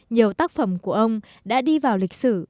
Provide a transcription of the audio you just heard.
nhiều tác phẩm của ông đã đi vào lịch sử